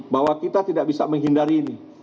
bahwa kita tidak bisa menghindari ini